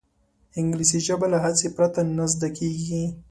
انګلیسي ژبه له هڅې پرته نه زده کېږي